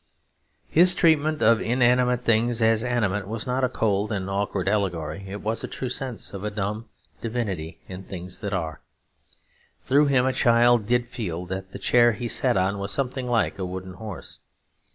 His treatment of inanimate things as animate was not a cold and awkward allegory: it was a true sense of a dumb divinity in things that are. Through him a child did feel that the chair he sat on was something like a wooden horse.